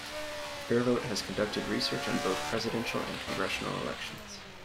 FairVote has conducted research on both presidential and Congressional elections.